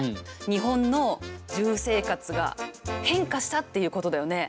日本の住生活が変化したっていうことだよね。